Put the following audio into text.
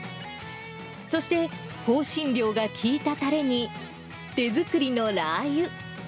そして、香辛料が効いたたれに手作りのラー油。